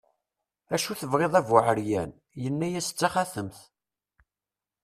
acu tebɣiḍ a bu ɛeryan, yenna-as d taxatemt